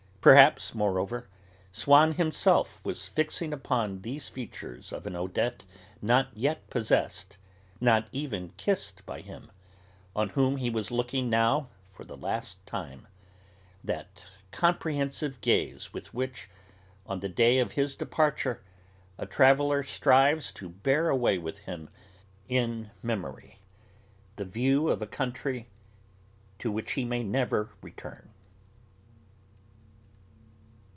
Perhaps, moreover, Swann himself was fixing upon these features of an Odette not yet possessed, not even kissed by him, on whom he was looking now for the last time, that comprehensive gaze with which, on the day of his departure, a traveller strives to bear away with him in memory the view of a country to which he may never return.